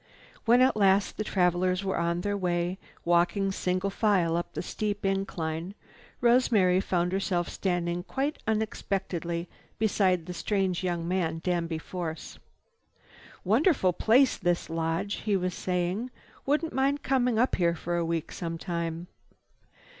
When at last the travelers were on their way, walking single file up the steep incline, Rosemary found herself standing quite unexpectedly beside the strange young man, Danby Force. "Wonderful place, this lodge!" he was saying. "Wouldn't mind coming up here for a week sometime."